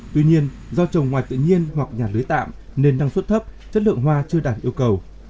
tuy nhiên do trồng ngoài tự nhiên hoặc nhà lưới tạm nên năng suất thấp chất lượng hoa chưa đạt yêu cầu